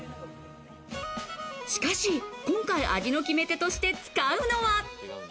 しかし今回、味の決め手として使うのは。